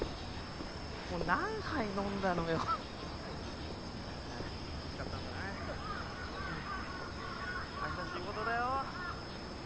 もう何杯飲んだのよ明日仕事だよ